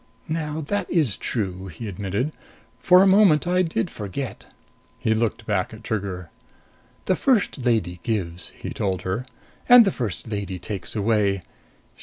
"Now that is true!" he admitted. "For the moment I did forget." He looked back at Trigger. "The First Lady gives," he told her, "and the First Lady takes away.